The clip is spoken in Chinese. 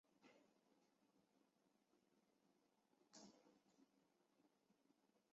英国广播公司第一台是英国广播公司的主要电视频道。